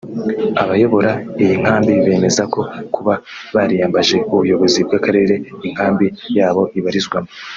Abayobora iyi nkambi bemeza ko kuba bariyambaje ubuyobozi bw’Akarere inkambi yabo ibarizwamo